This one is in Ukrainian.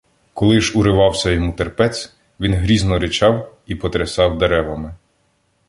Коли ж уривався йому терпець, він грізно ричав і потрясав деревами.